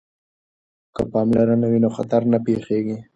که پاملرنه وي نو خطر نه پیښیږي.